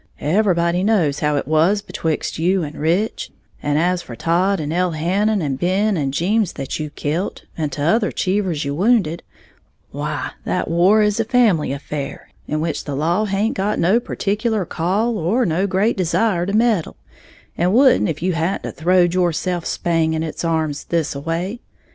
Everybody knows how it was betwixt you and Rich; and as for Todd and Elhannon and Ben and Jeems that you kilt, and t'other Cheevers you wounded, why, that war is a family affair, in which the law haint got no particular call, or no great desire, to meddle, and wouldn't if you hadn't a throwed yourself spang in its arms thisaway.